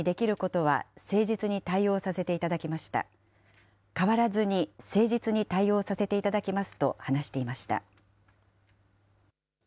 変わらずに誠実に対応させていただきますと話していました。